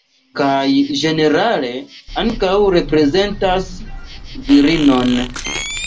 Kaj ĝenerale ankaŭ reprezentas virinon.